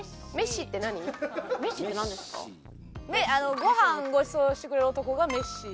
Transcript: ご飯ごちそうしてくれる男がメッシーで。